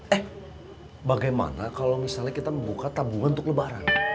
eh bagaimana kalau misalnya kita membuka tabungan untuk lebaran